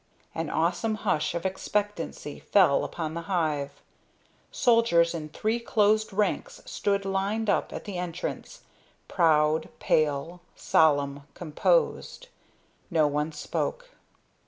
An awesome hush of expectancy fell upon the hive. Soldiers in three closed ranks stood lined up at the entrance, proud, pale, solemn, composed. No one spoke.